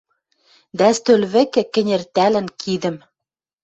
Дӓ стӧл вӹкӹ кӹнертӓлӹн кидӹм